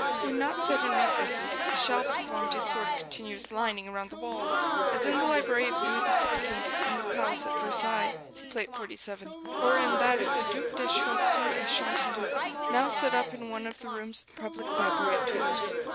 When not set in recesses, the shelves formed a sort of continuous lining around the walls, as in the library of Louis XVI in the palace at Versailles (see Plate XLVII), or in that of the Duc de Choiseul at Chanteloup, now set up in one of the rooms of the public library at Tours.